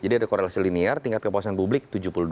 jadi ada korelasi linear tingkat kepuasan publik